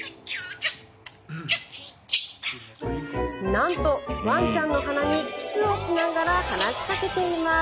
なんとワンちゃんの鼻にキスをしながら話しかけています。